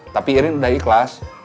tapi irin udah ikhlas